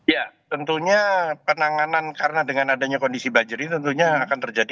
ya tentunya penanganan karena dengan adanya kondisi buzzer ini tentunya akan terjadi